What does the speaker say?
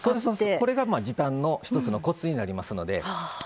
これが時短の一つのコツになりますので。